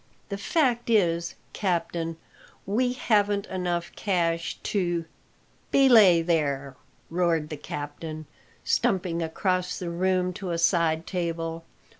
The fact is, captain, we haven't enough cash to " "Belay there!" roared the captain, stumping across the room to a side table.